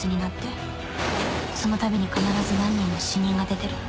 「そのたびに必ず何人も死人が出てる」